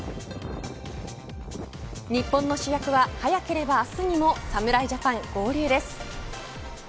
日本の主役は、早ければ明日にも侍ジャパン合流です。